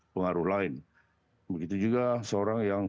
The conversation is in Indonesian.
pengaruh lain begitu juga seorang yang